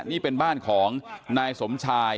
นี่เป็นบ้านของนายสมชาย